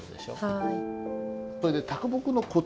はい。